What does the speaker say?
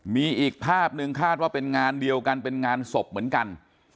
มีอีกภาพหนึ่งคาดว่าเป็นงานเดียวกันเป็นงานศพเหมือนกัน